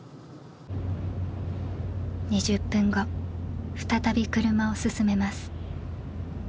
２０分後再び車を進めます。